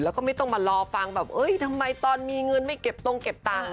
แล้วก็ไม่ต้องมารอฟังแบบเอ้ยทำไมตอนมีเงินไม่เก็บตรงเก็บตังค์